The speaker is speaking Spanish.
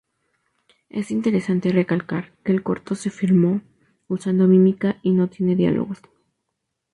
Es interesante recalcar que el corto se filmó usando mímica y no tiene diálogos.